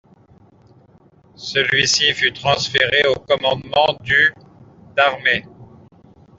Celui-ci fut transféré au commandement du d'armées.